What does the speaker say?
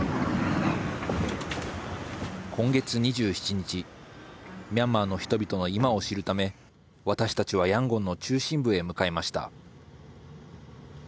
今月２７日ミャンマーの人々の今を知るため私たちはヤンゴンの中心部へ向かいました。